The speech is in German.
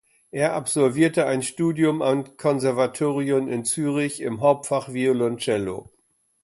Er absolvierte ein Studium am Konservatorium in Zürich im Hauptfach Violoncello.